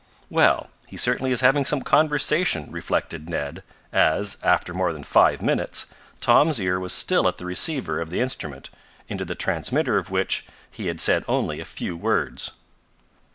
"Well, he certainly is having some conversation," reflected Ned, as, after more than five minutes, Tom's ear was still at the receiver of the instrument, into the transmitter of which he had said only a few words.